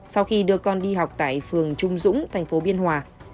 sau khi đưa con đi học tại phường trung dũng thành phố biên hòa